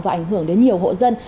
và ảnh hưởng đến nhiều hộ dân